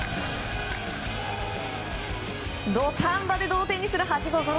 土壇場で同点にする８号ソロ。